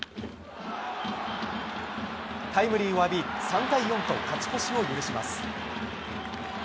タイムリーを浴び３対４と勝ち越しを許します。